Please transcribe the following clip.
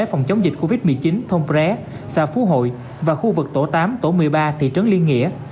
phòng chống dịch covid một mươi chín thôn pé xã phú hội và khu vực tổ tám tổ một mươi ba thị trấn liên nghĩa